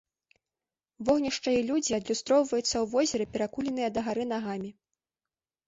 Вогнішча і людзі адлюстроўваюцца ў возеры перакуленыя дагары нагамі.